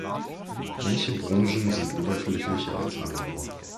Manche Branchen sind oberflächlicher als andere.